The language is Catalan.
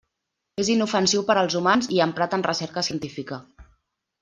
És inofensiu per als humans i emprat en recerca científica.